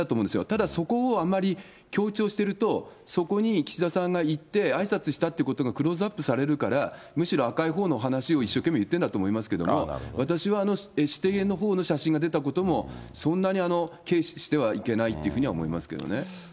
ただ、そこをあんまり強調してると、そこに岸田さんが行って、あいさつしたってことがクローズアップされるから、むしろ赤いほうの話を一生懸命言ってるんだと思いますけれども、私は私邸のほうの写真が出たことも、そんなに軽視してはいけないというふうに思いますけどね。